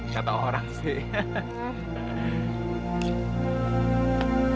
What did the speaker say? kata orang sih